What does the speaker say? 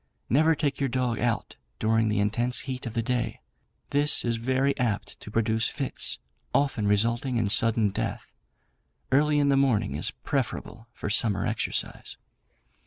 Never take your dog out during the intense heat of the day; this is very apt to produce fits, often resulting in sudden death. Early in the morning is preferable for summer exercise.